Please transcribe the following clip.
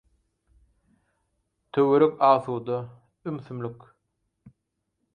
Töwerek asuda, ümsümlik.